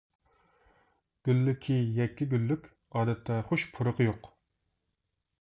گۈللۈكى يەككە گۈللۈك، ئادەتتە خۇش پۇرىقى يوق.